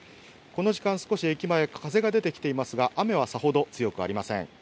この時間、少し駅前、風が出てきていますが雨はさほど強くありません。